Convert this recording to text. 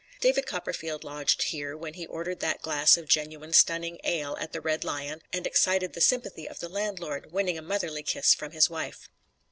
David Copperfield lodged here when he ordered that glass of Genuine Stunning Ale at the Red Lion and excited the sympathy of the landlord, winning a motherly kiss from his wife.